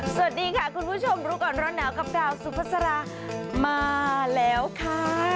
สวัสดีค่ะคุณผู้ชมรู้ก่อนร้อนหนาวกับดาวสุภาษามาแล้วค่ะ